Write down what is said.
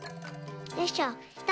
よいしょ。